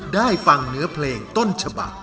ได้ฟังเนื้อเพลงต้นฉบัก